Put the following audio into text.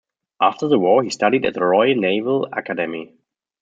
After the war, he studied at the Royal Naval Academy.